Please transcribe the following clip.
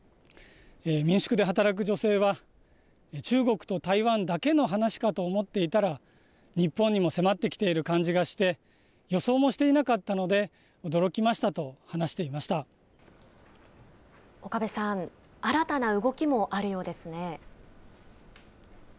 民宿で働く女性は、中国と台湾だけの話かと思っていたら、日本にも迫ってきている感じがして、予想もしていなかったので、岡部さん、新たな動きもあるようですね？